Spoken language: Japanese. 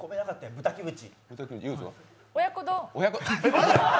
豚キムチ。